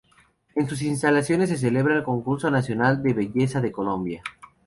En sus instalaciones se celebra el Concurso Nacional de Belleza de Colombia.